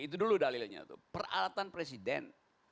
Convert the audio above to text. itu dulu dalilnya tuh peralatan presiden